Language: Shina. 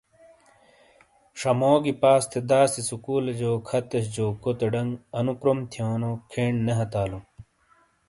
شَہ موگی پاس تھے داسی سُکولے جو کھاتیس جو کوتے ڈَنگ انو کروم تھینو کھین نے ہتالوں ۔